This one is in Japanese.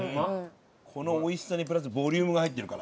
この美味しさにプラスボリュームが入ってるから。